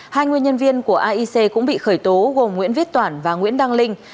hai nguyên nhân viên của aic cũng bị khởi tố gồm nguyễn viết toản và nguyễn đăng linh